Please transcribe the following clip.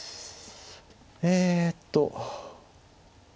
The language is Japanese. えっと。